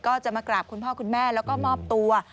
ก็จะมากราบคุณพ่อคุณแม่แล้วก็มอบตัว